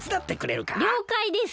りょうかいです。